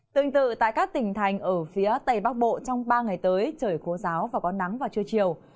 tương tự tại các tỉnh thành ở phía tây bắc bộ trong ba ngày tới trời khô giáo và có nắng vào trưa chiều